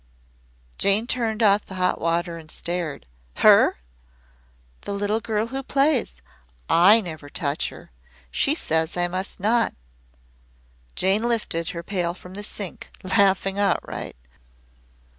Jane turned off the hot water and stared. "Her!" "The little girl who plays. I never touch her. She says I must not." Jane lifted her pail from the sink, laughing outright.